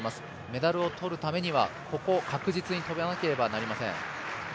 メダルを取るためには、ここを確実にとらなければなりません。